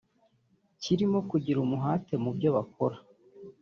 kirimo kugira umuhate mu byo bakora